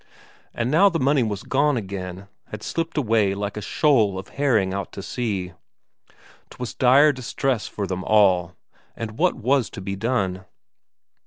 And now the money was gone again, had slipped away like a shoal of herring out to sea 'twas dire distress for them all, and what was to be done?